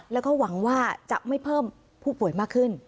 แล้วก็หวังว่าจะไม่เพิ่มผู้ป่วยมากขึ้น